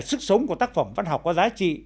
sức sống của tác phẩm văn học có giá trị